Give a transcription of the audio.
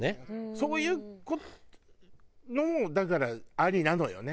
そういう事もだからありなのよね。